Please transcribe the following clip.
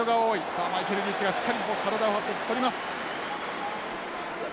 さあマイケルリーチがしっかり体を張ってとります！